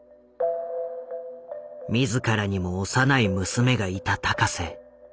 自らにも幼い娘がいた高世。